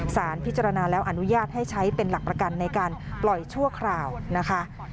สารพิจารณาแล้วอนุญาตให้ใช้เป็นหลักประกันในการปล่อยชั่วคราวนะคะ